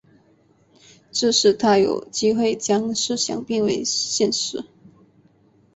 这使他有机会将设想变为现实。